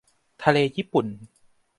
ทะเลญี่ปุ่น